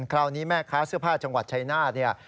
คราวนี้แม่ค้าเสื้อผ้าจังหวัดชายนาฏเนี่ย